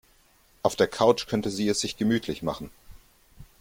Auf der Couch könnte sie es sich gemütlich machen.